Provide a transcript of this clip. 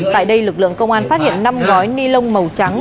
tại đây lực lượng công an phát hiện năm gói ni lông màu trắng